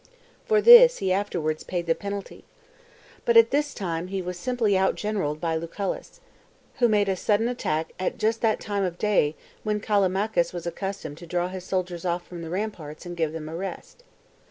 For this he afterwards. paid the penalty. But at this time, he was simply out generalled by Lucullus, who. made a sudden attack at. just. that time of day when Callimachus was accustomed to draw his soldiers off from the ramparts and give them a rest.